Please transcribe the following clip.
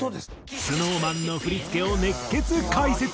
ＳｎｏｗＭａｎの振付を熱血解説。